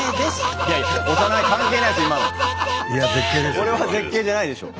これは絶景じゃないでしょ。